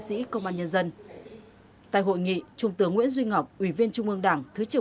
sĩ công an nhân dân tại hội nghị trung tướng nguyễn duy ngọc ủy viên trung ương đảng thứ trưởng